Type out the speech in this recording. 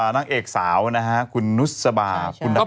นางเอกสาวนะฮะคุณนุษย์สบาพคุณนักการณ์